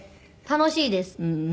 楽しいです。